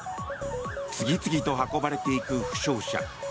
次々と運ばれていく負傷者。